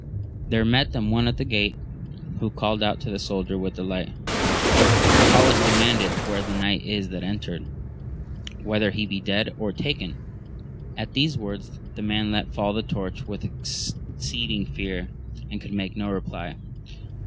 There met them one at the grate, who called out to the soldier with the light, Arcalaus demandeth where the knight is that entered ? whether he be dead or taken 1 At these words the man let fall the torch with exceeding fear, and could make no reply.